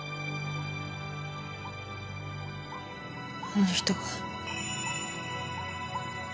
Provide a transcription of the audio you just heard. あの人が。